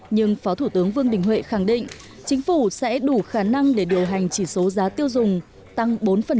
nhưng phó thủ tướng vương đình huệ khẳng định chính phủ sẽ đủ khả năng để điều hành chỉ số giá tiêu dùng tăng bốn